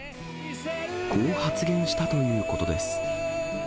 こう発言したということです。